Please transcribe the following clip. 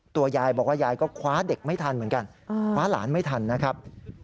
ตัวยายบอกว่ายายก็คว้าเด็กไม่ทันเหมือนกันคว้าหลานไม่ทันนะครับ